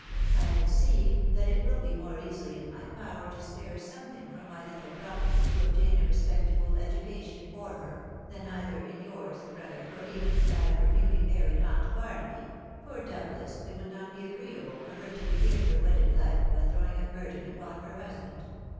I conceive that it will be more easily in my power to spare something from my little property to obtain a respect 4ible^education for her, than either in your's, brother, «r«ven in that of her newly~married aunt Barnaby; for doubtless it would not be agreeable for her to begin her wedded life by throwing a burden upon her husband.